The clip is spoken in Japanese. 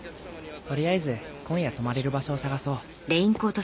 とりあえず今夜泊まれる場所を探そう。